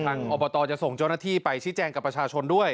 อบตจะส่งเจ้าหน้าที่ไปชี้แจงกับประชาชนด้วย